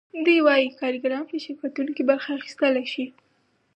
دوی وايي کارګران په شرکتونو کې برخه اخیستلی شي